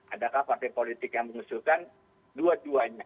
adakah partai politik yang mengusulkan dua duanya